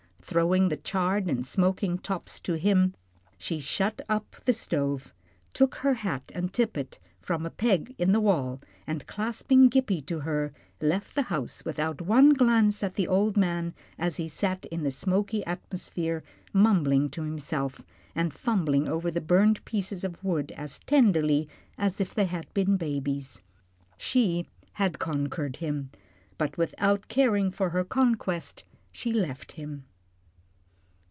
Throwing the charred and smoking tops to him, she shut up the stove, took her hat and tippet from a peg in the wall, and clasping Gippie to her, left the house without one glance at the old man as he sat in the smoky atmosphere mumbling to himself, and fumbling over the burnt pieces of wood as tenderly as if they had been babies. She had conquered him, but without caring for her conquest she left him.